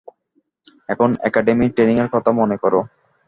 এখন একাডেমির ট্রেনিংয়ের কথা মনে করো।